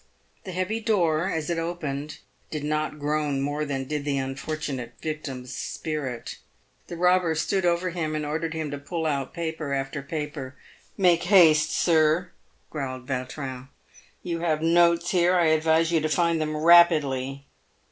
The heavy door, as it opened, did not groan more than did the unfortunate victim's spirit. The robber stood over him, and ordered him to pull out paper after paper. " Make baste, sir," growled Yautrin. " You have notes here. I advise you to find them rapidly."